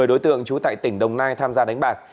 một mươi đối tượng trú tại tỉnh đồng nai tham gia đánh bạc